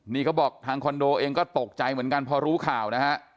นี่เขาบอกทางคอนโดเองก็ตกใจเหมือนกันพอรู้ข่าวนะฮะ